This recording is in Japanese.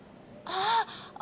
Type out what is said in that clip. あぁ